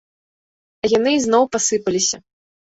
А яны ізноў пасыпаліся.